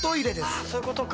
あっそういうことか。